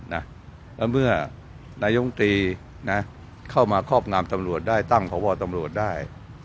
แล้วเมื่อนายมตรีเข้ามาครอบงำตำรวจได้ตั้งพบตำรวจได้